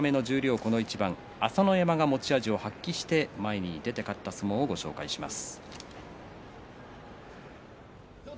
この一番朝乃山が持ち味を発揮して前に出て勝った相撲をご紹介します。